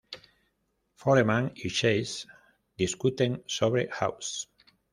Foreman y Chase discuten sobre House.